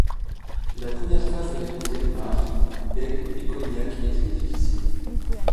La première phase avec Montélimar, Bègles et Cognac est très difficile.